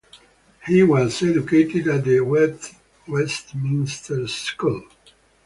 He was educated at the Westminster School.